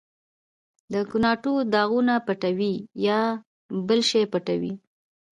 د ګناټو داغونه پټوې، یا بل شی پټوې؟